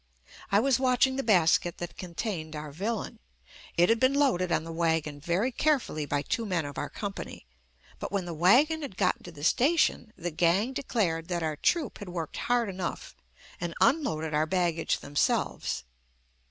I was watching the basket that contained our villain. It had been loaded on the wagon very carefully by two men of our company, but when the wagon had gotten to the station the gang declared that our troupe had worked hard enough and unloaded our baggage them selves.